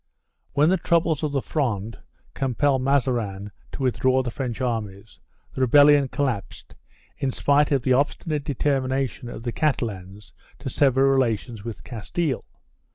1 When the troubles of the Fronde compelled Mazarin to with draw the French armies, the rebellion collapsed, in spite of the obstinate determination of the Catalans to sever relations with Castile.